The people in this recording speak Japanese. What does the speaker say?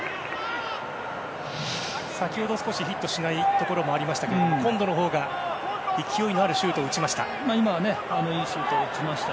先ほど、少しヒットしないところもありましたけれども今度のほうが、勢いのあるシュートを打ちました。